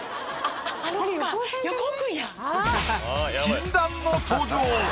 禁断の登場！